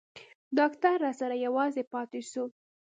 ډاکتر راسره يوازې پاته سو.